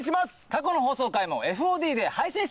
過去の放送回もＦＯＤで配信してます。